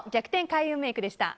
開運メイクでした。